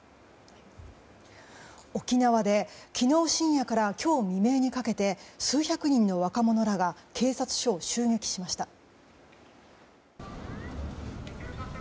沖縄で昨日深夜から今日未明にかけて数百人の若者らが警察署を襲撃しました。